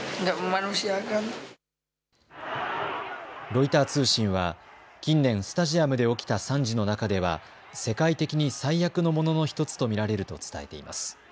ロイター通信は近年、スタジアムで起きた惨事の中では世界的に最悪のものの１つと見られると伝えています。